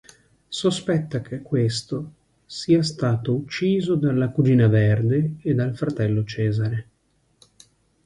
Sospetta che questo sia stato ucciso dalla cugina Verde e dal fratello Cesare.